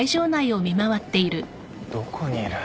どこにいる？